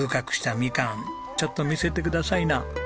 みかんちょっと見せてくださいな。